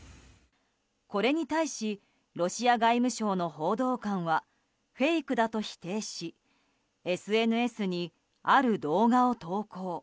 これに対しロシア外務省の報道官はフェイクだと否定しＳＮＳに、ある動画を投稿。